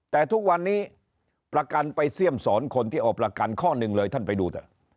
แต่ทุกวันนี้ประกันไปเสี่ยมสอนคนที่เอาประกันข้อหนึ่งเลยท่านไปดูเถอะ